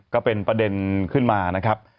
ก็เป็นประเด็นขึ้นมานะครับ